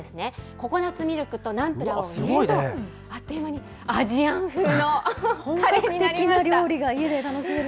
ココナッツミルクとナンプラーを入れると、あっという間にアジアン風のカレーになりました。